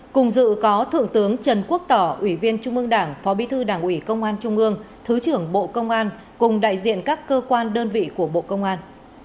cùng dự có thượng tướng trần quốc tỏ ủy viên trung ương đảng phó bí thư đảng ủy công an trung ương thứ trưởng bộ công an cùng đại diện các cơ quan đơn vị của bộ công an